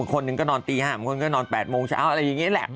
คนหนึ่งก็นอนตี๕๓คนก็นอน๘โมงเช้าอะไรอย่างนี้แหละ